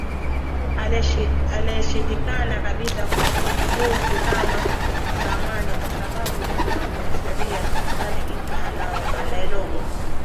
aliyeshindikana kabisa hafukuzwi kama zamani kwa sababu ya mambo ya sheria bali mtu anaelogwa